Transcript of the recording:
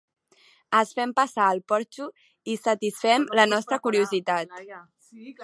Els fem passar al porxo i satisfem la nostra curiositat.